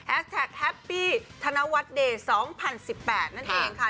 แฮปปี้ธนวัฒน์เดย์๒๐๑๘นั่นเองค่ะ